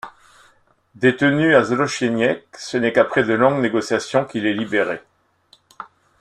Détenu à Złocieniec, ce n’est qu’après de longues négociations qu’il est libéré.